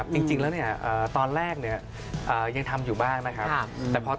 คุณผู้ชมไม่เจนเลยค่ะถ้าลูกคุณออกมาได้มั้ยคะ